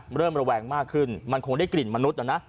เริ่มระแวงมากขึ้นมันคงได้กลิ่นมนุษย์นะนะ